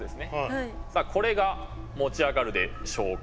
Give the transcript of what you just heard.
これが持ち上がるでしょうか？